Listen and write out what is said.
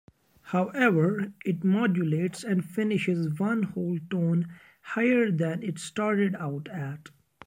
However, it modulates and finishes one whole tone higher than it started out at.